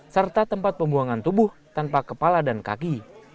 serta tempat pembuangan tubuh tanpa kepala dan kaki